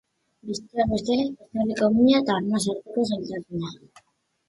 Besteak beste, eztarriko mina eta arnasa hartzeko zailtasuna.